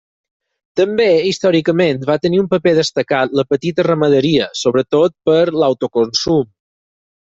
També, històricament, va tenir un paper destacat la petita ramaderia, sobretot per l'autoconsum.